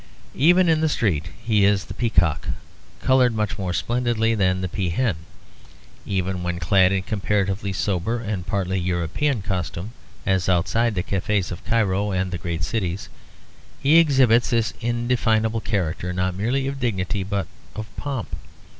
Even in the street he is the peacock, coloured much more splendidly than the peahen. Even when clad in comparatively sober and partly European costume, as outside the cafes of Cairo and the great cities, he exhibits this indefinable character not merely of dignity but of pomp.